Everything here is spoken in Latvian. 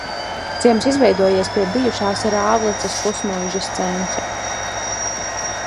Ciems izveidojies pie bijušās Rāvlicas pusmuižas centra.